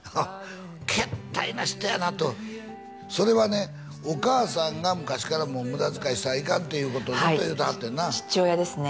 けったいな人やなとそれはねお母さんが昔からもう無駄遣いしたらいかんっていうことをずっと言うてはってんな父親ですね